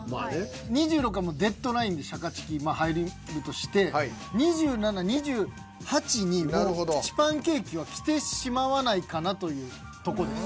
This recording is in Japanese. ２６はデッドラインでシャカチキまあ入るとして２７２８にプチパンケーキはきてしまわないかなというとこです。